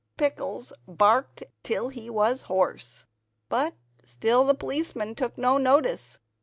Pickles barked till he was hoarse. But still the policeman took no notice.